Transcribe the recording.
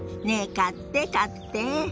ねえ買って買って！